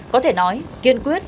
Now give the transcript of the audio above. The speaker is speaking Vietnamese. có thể nói kiên quyết